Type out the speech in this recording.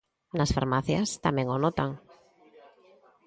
Nas farmacias tamén o notan.